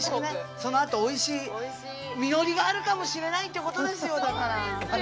そのあとおいしい実りがあるかもしれないってことですよ